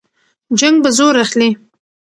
جنګ به زور اخلي.